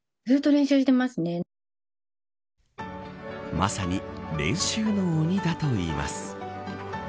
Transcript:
まさに練習の鬼だといいます。